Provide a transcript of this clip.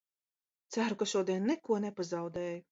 Ceru, ka šodien neko nepazaudēju!